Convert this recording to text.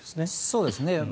そうですね。